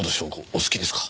お好きですか？